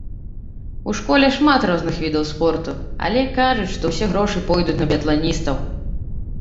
У школе шмат розных відаў спорту, але кажуць, што ўсе грошы пойдуць на біятланістаў.